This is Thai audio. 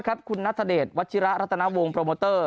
ครับคุณณทเดชวัดชิรารัฐณวงค์โปรโมเตอร์